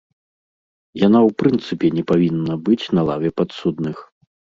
Яна ў прынцыпе не павінна быць на лаве падсудных.